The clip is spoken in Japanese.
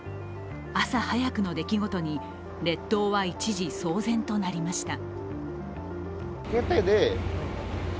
朝早くの出来事に、列島は一時、騒然となりました。